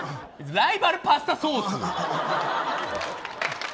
ライバルパスタソース！